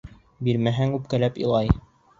Бирмәһәң, үпкәләп илай.